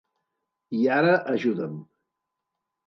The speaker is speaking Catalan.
I ara ajuda'm.